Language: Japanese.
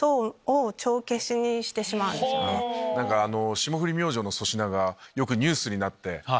霜降り明星の粗品がよくニュースになって。